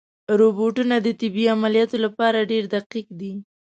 روبوټونه د طبي عملیاتو لپاره ډېر دقیق دي.